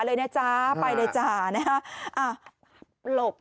สุดยอดดีแล้วล่ะ